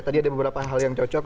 tadi ada beberapa hal yang cocok